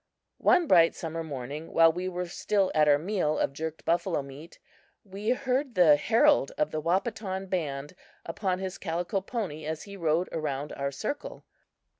One bright summer morning, while we were still at our meal of jerked buffalo meat, we heard the herald of the Wahpeton band upon his calico pony as he rode around our circle.